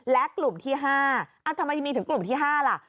และกลุ่มที่ห้าอ้าวทำไมมีถึงกลุ่มที่ห้าล่ะ